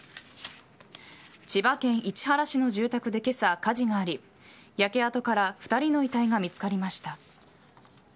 千葉県市原市の住宅で今朝火事があり焼け跡から２人の遺体が見つかりました。